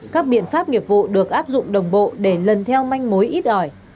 các biện pháp nghiệp vụ được áp dụng đồng bộ để lần theo manh mối ít ỏi